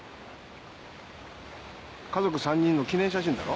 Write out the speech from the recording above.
家族３人の記念写真だろ？